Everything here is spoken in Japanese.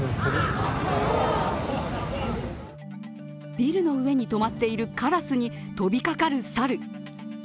ビルの上に止まっているカラスに飛び掛かる猿。